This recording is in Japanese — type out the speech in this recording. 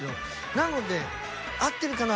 なので合ってるかな？